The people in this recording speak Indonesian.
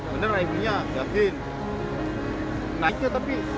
bener naiknya ngak jahit